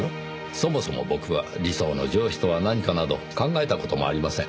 そもそも僕は理想の上司とは何かなど考えた事もありません。